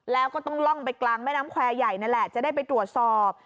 แล้วก็ต้องล่องไปกลางแม่น้ำแควร์ใหญ่นั่นแหละจะได้ไปตรวจสอบ